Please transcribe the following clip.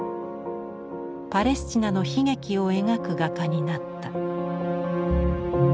パレスチナの悲劇を描く画家になった。